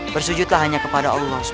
bersujudlah hanya kepada allah swt